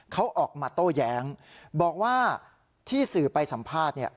เขาออกมาโต้แย้งบอกว่าที่สื่อไปสัมภาษณ์เนี่ย